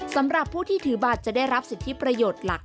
สำหรับผู้ที่ถือบัตรจะได้รับสิทธิประโยชน์หลัก